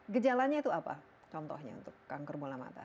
gejalanya itu apa contohnya untuk kanker bola mata